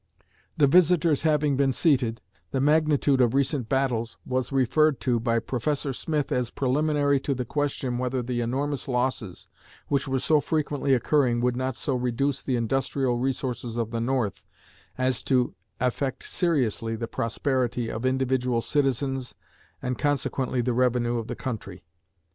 The visitors having been seated, the magnitude of recent battles was referred to by Professor Smith as preliminary to the question whether the enormous losses which were so frequently occurring would not so reduce the industrial resources of the North as to affect seriously the prosperity of individual citizens and consequently the revenue of the country.